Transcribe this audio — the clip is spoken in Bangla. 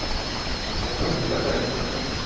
একজন ডাঃ অ্যান্ডারসনের নাম শুনেছ?